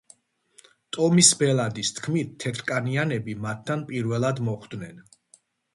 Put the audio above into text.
ტომის ბელადის თქმით, თეთრკანიანები მათთან პირველად მოხვდნენ.